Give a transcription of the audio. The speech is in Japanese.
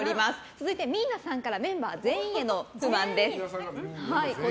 続いてＭＩＮＡさんからメンバー全員への不満です。